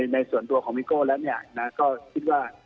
ในส่วนตัวของพี่โก้แล้วก็คิดว่า